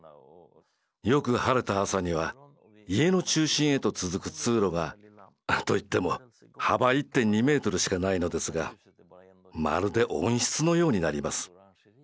よく晴れた朝には家の中心へと続く通路がといっても幅１．２ｍしかないのですがまるで温室のようになります。